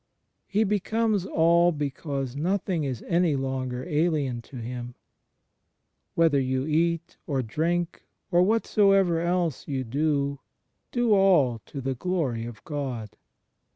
He becomes "All" because nothing is any longer alien to Him. "Whether you eat 138 THE FRIENDSHIP OF CHRIST or drink or whatsoever else you do, do all to the glory of God."